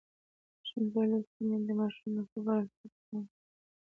ښوونځې لوستې میندې د ماشومانو د خوب ارامتیا ته پام کوي.